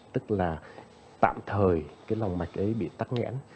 tức là tạm thời cái lòng mạch ấy bị tắt nghẽn